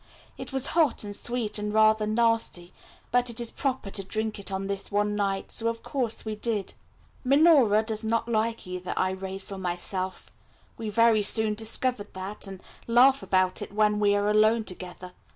It was hot, and sweet, and rather nasty, but it is proper to drink it on this one night, so of course we did. Minora does not like either Irais or myself. We very soon discovered that, and laugh about it when we are alone together.